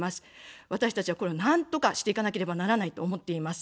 私たちは、これをなんとかしていかなければならないと思っています。